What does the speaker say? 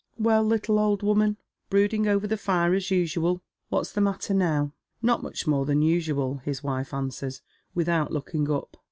" Well, little old woman, brooding over the fire as usual ? What's the matter now ?" "Not much more than usual," his wife answers, without looking up.